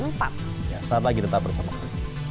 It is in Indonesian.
saat lagi tetap bersama kami